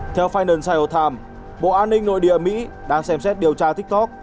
theo financial times bộ an ninh nội địa mỹ đang xem xét điều tra tiktok